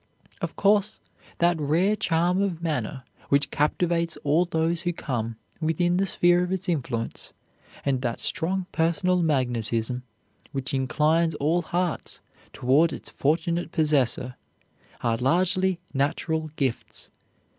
Of course, that rare charm of manner which captivates all those who come within the sphere of its influence, and that strong personal magnetism which inclines all hearts toward its fortunate possessor, are largely natural gifts.